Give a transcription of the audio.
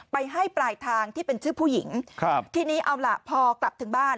ไปให้ปลายทางที่เป็นชื่อผู้หญิงครับทีนี้เอาล่ะพอกลับถึงบ้าน